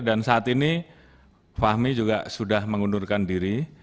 dan saat ini fahmi juga sudah mengundurkan diri